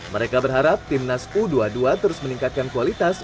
mereka berharap timnas u dua puluh dua terus meningkatkan kualitas